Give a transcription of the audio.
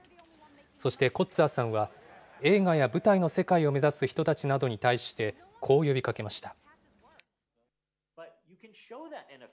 そしてコッツァーさんは映画や舞台の世界を目指す人たちに対して、こう呼びかけました。